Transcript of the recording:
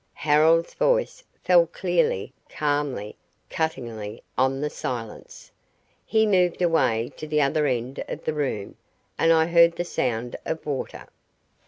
Harold's voice fell clearly, calmly, cuttingly on the silence. He moved away to the other end of the room and I heard the sound of water.